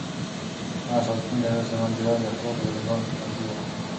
هغه ساتونکی اوس د منډېلا د اخلاقو په زندان کې بندي و.